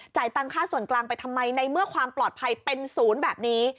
ตังค่าส่วนกลางไปทำไมในเมื่อความปลอดภัยเป็นศูนย์แบบนี้